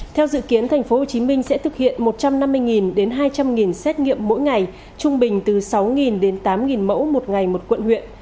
theo dự kiến tp hcm sẽ thực hiện một trăm năm mươi đến hai trăm linh xét nghiệm mỗi ngày trung bình từ sáu đến tám mẫu một ngày một quận huyện